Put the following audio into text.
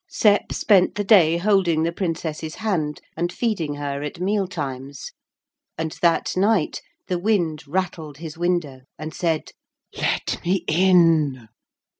Sep spent the day holding the Princess's hand, and feeding her at meal times; and that night the wind rattled his window and said, 'Let me in.'